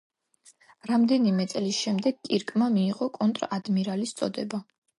რამდენიმე წლის შემდეგ კირკმა მიიღო კონტრ-ადმირალის წოდება.